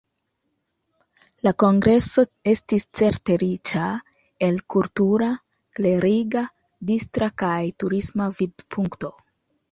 La kongreso estis certe riĉa, el kultura, kleriga, distra kaj turisma vidpunkto.